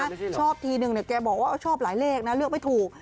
อีกคนหนึ่งแกบอกว่าชอบหลายเลขนะเลือกไม่ถูก